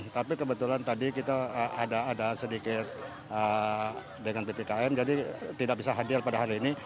tapi kebetulan tadi kita ada sedikit dengan ppkm jadi tidak bisa hadir pada hari ini